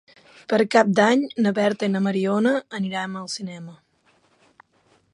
Per Cap d'Any na Berta i na Mariona aniran al cinema.